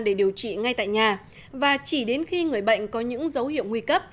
để điều trị ngay tại nhà và chỉ đến khi người bệnh có những dấu hiệu nguy cấp